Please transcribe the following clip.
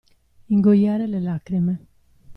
Ingoiare le lacrime.